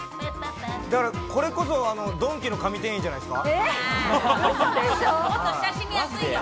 これこそドンキの神店員じゃないですか？